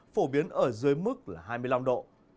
phổ biến ở dưới mức là hai mươi năm độ